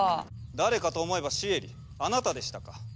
誰かと思えばシエリあなたでしたか。